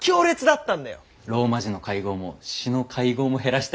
ローマ字の会合も詩の会合も減らしたよ。